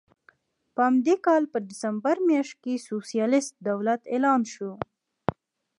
په همدې کال په ډسمبر میاشت کې سوسیالېست دولت اعلان شو.